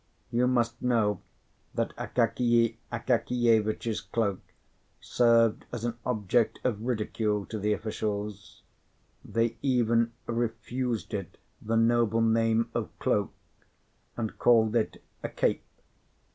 You must know that Akakiy Akakievitch's cloak served as an object of ridicule to the officials: they even refused it the noble name of cloak, and called it a cape.